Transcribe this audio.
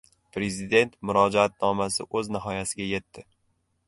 Prezident Murojaatnomasi o‘z nihoyasiga yetdi